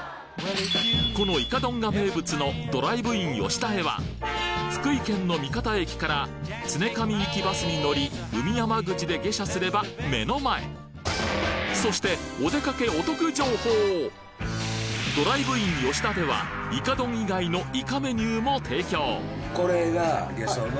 このイカ丼が名物のドライブインよしだへは福井県の三方駅から常神行きバスに乗り海山口で下車すれば目の前そしてドライブインよしだではこれが。